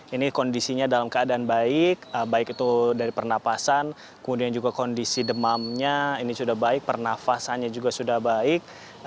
ini kondisinya dalam keadaan baik baik itu dari pernapasan kemudian juga kondisi demamnya ini sudah baik pernafasannya juga sudah baik